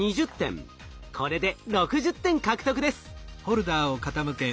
これで６０点獲得です。